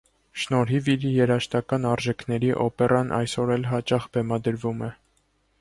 Շնորհիվ իր երաժշտական արժանիքների՝ օպերան այսօր էլ հաճախ բեմադրվում է։